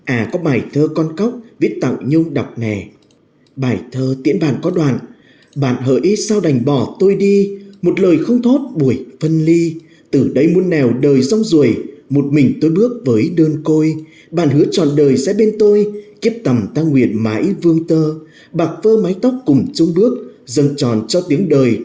à có bài thơ con cóc viết tặng nhung đọc nè